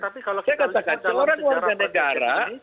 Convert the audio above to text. tapi kalau kita lulus dalam sejarah pertanyaan ini